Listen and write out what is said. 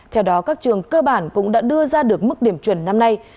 theo đó các trường cơ bản cũng đã đưa ra được mức điểm chuẩn năm nay